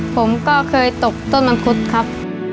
ผมก็เคยตกต้นมังคุดครับ